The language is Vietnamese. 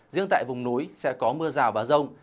riêng tại vùng núi sẽ có mưa rào và rông